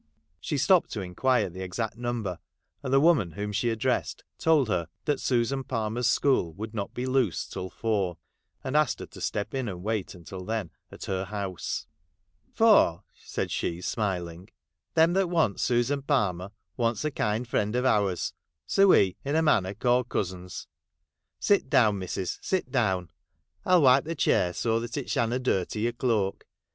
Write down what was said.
She stopped to inquire the exact number, and the woman whom she addressed told her that Susan Palmer's school would not be loosed till four, and asked her to step in and wait until then at her house. ' For,' said she, smiling, ' them that wants Susan Palmer wants a kind friend of ours ; so we, in a manner, call cousins. Sit down, missTis, sit do, wn. I '11 wipe the chair, so that it shanna dirty your cloak.